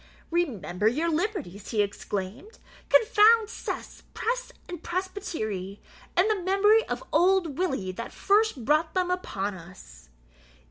"Remember your liberties," he exclaimed; "confound cess, press, and presbytery, and the memory of old Willie that first brought them upon us!"